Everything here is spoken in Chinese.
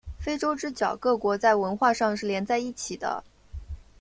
非洲之角各国在文化上是连在一起的。